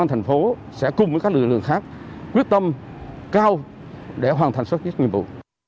thành phố sẽ cùng với các lực lượng khác quyết tâm cao để hoàn thành sức trách nhiệm vụ